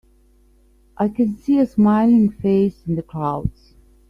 I can see a smiling face in the clouds.